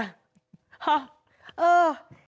ฮะเออ